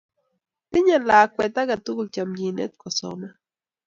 tinye lakwet aketukul chomchinee kusoman